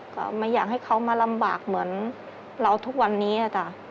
ก็ไม่อยากให้เขามาลำบากเหมือนเราทุกวันนี้นะจ๊ะ